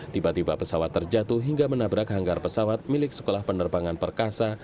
tiba tiba pesawat terjatuh hingga menabrak hanggar pesawat milik sekolah penerbangan perkasa